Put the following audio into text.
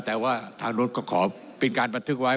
แต่ว่าทางรถก็ขอเป็นการบันทึกไว้